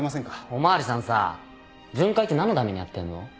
お巡りさんさ巡回って何のためにやってんの？